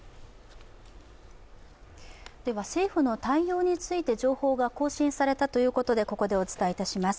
政府の対応について情報が更新されということでここでお伝えいたします。